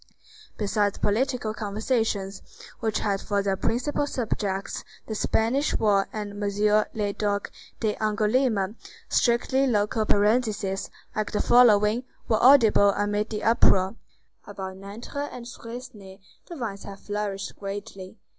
Besides political conversations which had for their principal subjects the Spanish war and M. le Duc d'Angoulême, strictly local parentheses, like the following, were audible amid the uproar:— "About Nanterre and Suresnes the vines have flourished greatly.